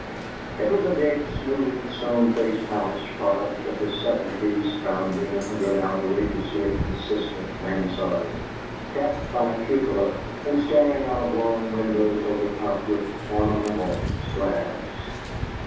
It was a big, smooth stone faced house, product of the 'Seventies, frowning under an outrageously insistent mansard, capped by a cupola, and staring out of long windows overtopped with "ornamental" slabs.